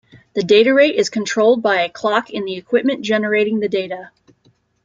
The data rate is controlled by a clock in the equipment generating the data.